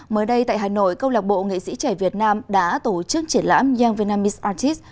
mới đây tại hà nội câu lạc bộ nghệ sĩ trẻ việt nam đã tổ chức triển lãm young vietnamese artist